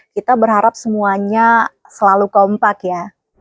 kita berharap semuanya selalu kompak ya